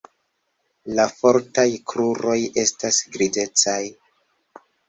La fortaj kruroj estas grizecaj.